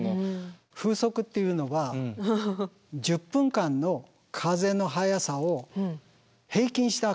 風速っていうのは１０分間の風の速さを平均した形なんですね。